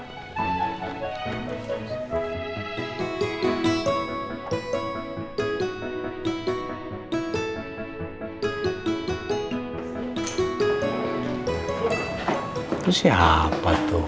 itu siapa tuh